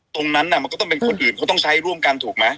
ตรงนั้นมันก็ต้องเป็นคนอื่นเขาต้องใช้ร่วมกันถูกไหม